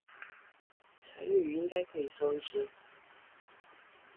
成句應該可以收一些